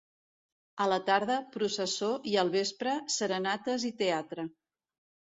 A la tarda, processó i al vespre, serenates i teatre.